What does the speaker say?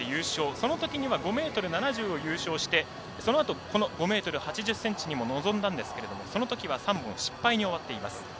そのときには５ｍ７０を優勝してそのあと５ｍ８０ｃｍにも臨んだんですけどもそのときは３本失敗に終わっています。